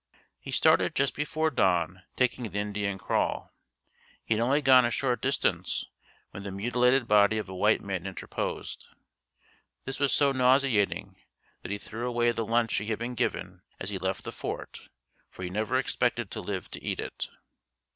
He started just before dawn taking the Indian crawl. He had only gone a short distance when the mutilated body of a white man interposed. This was so nauseating that he threw away the lunch he had been given as he left the fort for he never expected to live to eat it.